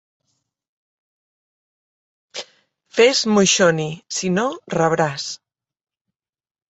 Fes moixoni; si no, rebràs!